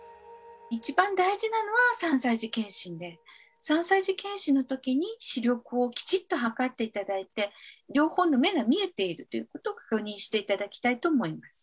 一番大事なのは３歳児健診で３歳児健診の時に視力をきちっと測って頂いて両方の目が見えているということを確認して頂きたいと思います。